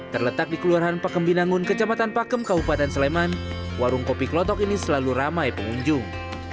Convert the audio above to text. terletak di keluaran pak kemp binangun kecamatan pak kemp kabupaten sleman warung kopi klotok ini selalu ramai pengunjung